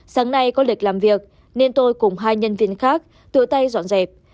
sáng nay có lịch làm việc nên tôi cùng hai nhân viên khác tựa tay dọn dẹp